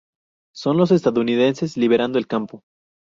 Son los estadounidenses, liberando el campo.